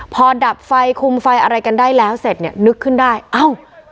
พอดับไฟคุมไฟอะไรกันได้แล้วเสร็จเนี่ยนึกขึ้นได้เอ้า